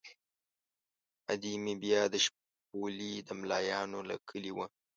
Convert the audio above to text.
ادې مې بیا د شپولې د ملایانو له کلي وه.